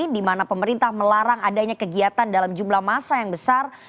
di mana pemerintah melarang adanya kegiatan dalam jumlah masa yang besar